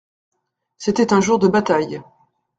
C'était un jour de bataille.